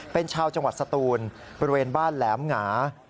เป็นชาวจังหวัดสตูนบริเวณบ้านแหลมหงา